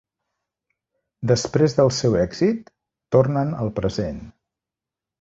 Després del seu èxit, tornen al present.